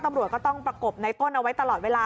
ตำรวจก็ต้องประกบในต้นเอาไว้ตลอดเวลา